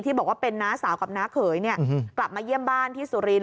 บอกว่าเป็นน้าสาวกับน้าเขยกลับมาเยี่ยมบ้านที่สุรินท